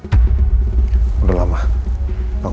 campuran wangg commeted